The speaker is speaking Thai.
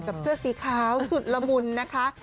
เสื้อสีขาวสุดละมุนนะคะ